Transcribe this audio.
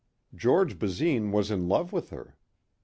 George Basine was in love with her!